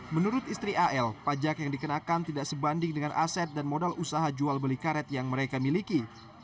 menurut istri al pajak yang dikenakan tidak sebanding dengan aset dan modal usaha jual beli karet yang mereka miliki